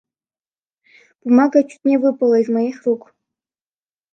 Бумага чуть не выпала из моих рук.